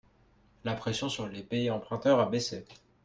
La pression sur les pays emprunteurs a baissé.